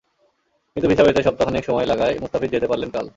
কিন্তু ভিসা পেতে সপ্তাহ খানেক সময় লাগায় মুস্তাফিজ যেতে পারলেন কাল।